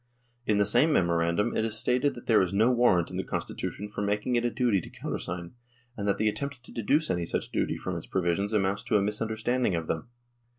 In the same memorandum it is stated that there is no warrant in the Constitution for making it a duty to countersign, and that the attempt to deduce any such duty from its provisions amounts to a misunderstanding of them.